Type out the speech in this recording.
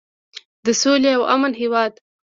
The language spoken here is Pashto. د سولې او امن هیواد.